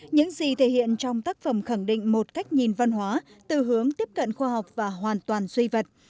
những gì thể hiện trong tác phẩm khẳng định một cách nhìn văn hóa tư hướng tiếp cận khoa học và hoàn toàn suy vật